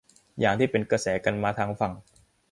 อย่างที่เป็นกระแสกันมาทางฝั่ง